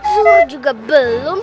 your juga belum